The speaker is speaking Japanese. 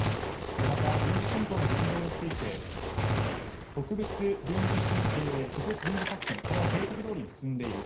また、軍事侵攻の現状について特別軍事作戦これは計画どおりに進んでいる。